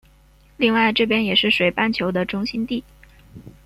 另外这边也是水半球的中心地。